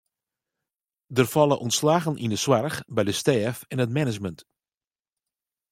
Der falle ûntslaggen yn de soarch, by de stêf en it management.